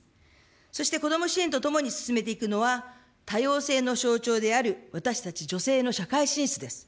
そして、子ども支援とともに進めていくのは、多様性の象徴である私たち女性の社会進出です。